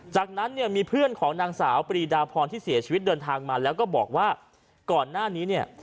จากนั้นเนี่ยมีเพื่อนของนางสาวปรีดาพรที่เสียชีวิตเดินทางมาแล้วก็บอกว่าก่อนหน้านี้เนี่ย